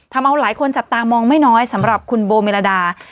ทำเอาหลายคนจับตามองไม่น้อยสำหรับคุณโบเมรดา